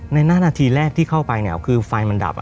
ในนาทีแรกที่เข้าไปคือไฟมันดับ